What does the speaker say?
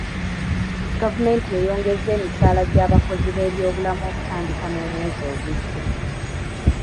Gavumenti eyongezza emisaala gy'abakozi b'ebyobulamu okutandika n'omwezi ogujja.